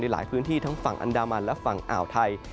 หลายพื้นที่ทั้งฝั่งอันดามันและฝั่งอ่าวไทย